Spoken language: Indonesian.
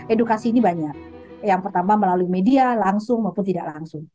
edukasi ini banyak yang pertama melalui media langsung maupun tidak langsung